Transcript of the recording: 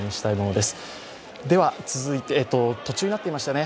では、途中になっていましたね。